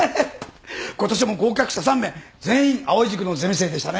今年も合格者３名全員藍井塾のゼミ生でしたね。